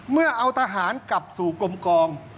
เมื่อเอาทหารกลับสู่กลมกอง